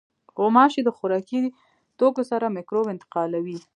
غوماشې د خوراکي توکو سره مکروب انتقالوي.